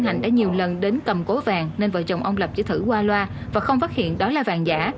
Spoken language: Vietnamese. lê thị mỹ hạnh đã nhiều lần đến cầm cố vàng nên vợ chồng ông lập chỉ thử qua loa và không phát hiện đó là vàng giả